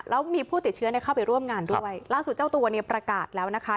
แล้วมีผู้ติดเชื้อเข้าไปร่วมงานด้วยล่าสุดเจ้าตัวเนี่ยประกาศแล้วนะคะ